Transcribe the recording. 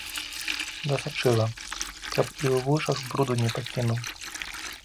Дасачыла, каб і ў вушах бруду не пакінуў.